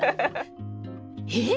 えっ！